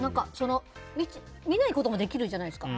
見ないこともできるじゃないですか。